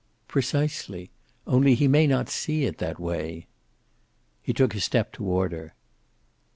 "Precisely. Only he may not see it that way." He took a step toward her.